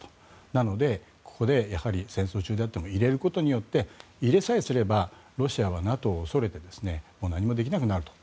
なので、ここで戦争中であっても入れることによって入れさえすればロシアはＮＡＴＯを恐れて何もできなくなると。